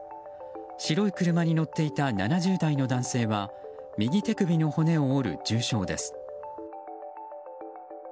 白い車に乗っていた７０代の男性は右手首の骨を折る重傷です。